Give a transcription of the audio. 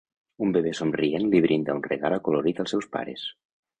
Un bebè somrient li brinda un regal acolorit als seus pares.